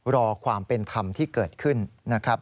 รอความเป็นธรรมที่เกิดขึ้นนะครับ